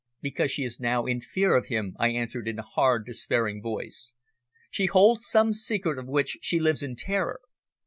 "Because she is now in fear of him," I answered in a hard, despairing voice. "She holds some secret of which she lives in terror.